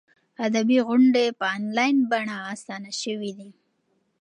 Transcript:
ادبي غونډې په انلاین بڼه اسانه شوي دي.